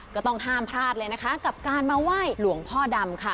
ก็ต้องห้ามพลาดเลยนะคะกับการมาไหว้หลวงพ่อดำค่ะ